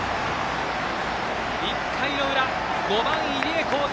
１回の裏、５番、入江航平